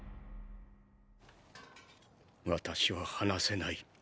私は話せない。